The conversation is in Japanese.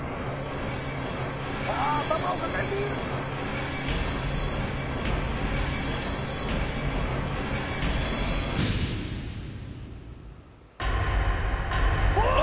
さあ頭を抱えているおおー！